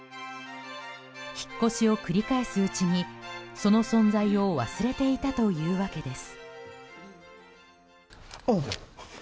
引っ越しを繰り返すうちにその存在を忘れていたというわけです。